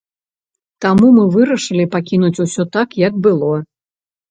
Таму мы вырашылі пакінуць усё так, як было.